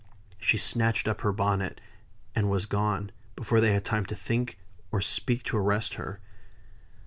She snatched up her bonnet, and was gone, before they had time to think or speak to arrest her.